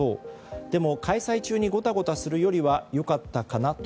でも、開催中にごたごたするよりは良かったかなと。